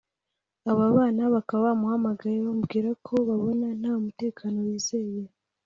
abana bakaba bamuhamagaye bamubwira ko babona nta mutekano bizeye